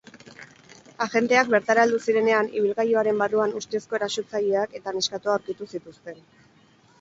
Agenteak bertara heldu zirenean, ibilgailuaren barruan ustezko erasotzaileak eta neskatoa aurkitu zituzten.